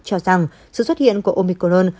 cho rằng sự xuất hiện của omicron